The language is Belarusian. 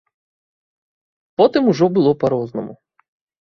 Потым ужо было па-рознаму.